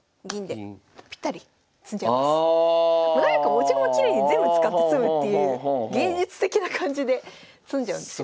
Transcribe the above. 持ち駒きれいに全部使って詰むっていう芸術的な感じで詰んじゃうんですよ。